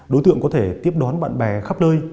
đối tượng có thể tiếp đón bạn bè khắp nơi